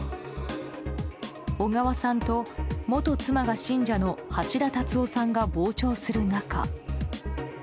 小川さんと、元妻が信者の橋田達夫さんが傍聴する中。